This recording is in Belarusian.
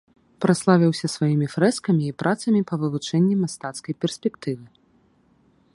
Праславіўся сваімі фрэскамі і працамі па вывучэнні мастацкай перспектывы.